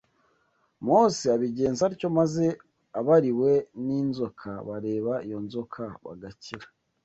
Mose abigenza atyo maze abariwe n’inzoka bareba iyo nzoka bagakira